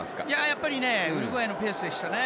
やっぱりウルグアイのペースでしたね。